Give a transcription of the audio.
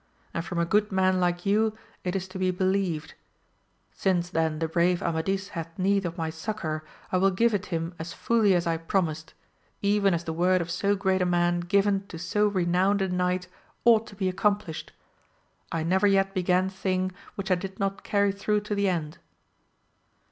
and from a good man like you it is to be be lieved ; since then the brave Amadis hath need of my succour, I will give it him as fully as I promised, even as the word of so great a man given to so re nowned a knight ought to be accomplished. I never yet began thing which I did not carry through to the end.